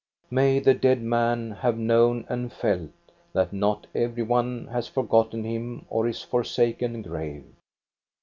May the dead man have known and felt that not every one has forgotten him or his forsaken grave.